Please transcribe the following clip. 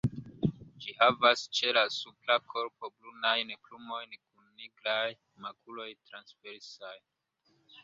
Ĝi havas ĉe la supra korpo brunajn plumojn kun nigraj makuloj transversaj.